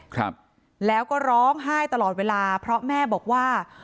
ครับแล้วก็ร้องไห้ตลอดเวลาเพราะแม่บอกว่า